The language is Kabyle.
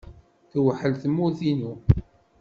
Tewḥel tewwurt-inu.